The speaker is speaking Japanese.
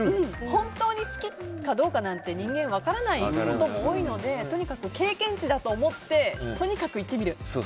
本当に好きかどうかなんて人間分からないことも多いのでとにかく経験値だと思ってとにかくいってみる。